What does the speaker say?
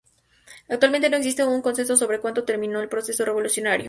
Actualmente no existe un consenso sobre cuándo terminó el proceso revolucionario.